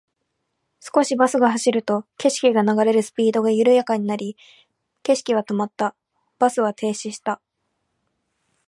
少しバスが走ると、景色が流れるスピードが緩やかになり、景色は止まった。バスは停止した。